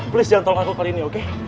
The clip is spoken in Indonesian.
please jangan tolong aku kali ini oke